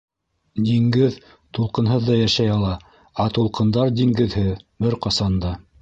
Диңгеҙ тулҡынһыҙ ҙа йәшәй ала, ә тулҡындар диңгеҙһеҙ - бер ҡасан да.